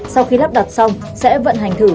sau khi lắp đặt xong sẽ vận hành thử